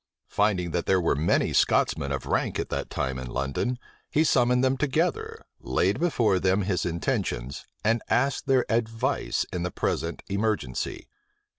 Finding that there were many Scotchmen of rank at that time in London, he summoned them together, laid before them his intentions, and asked their advice in the present emergency.